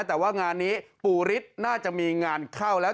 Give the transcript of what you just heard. แต่ว่างานนี้ปู่ฤทธิ์น่าจะมีงานเข้าแล้ว